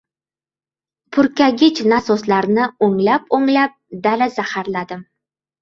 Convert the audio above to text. Purkagich nasoslarni o‘nglab-o‘nglab dala zaharladim.